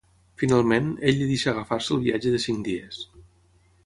Finalment, ell li deixa agafar-se el viatge de cinc dies.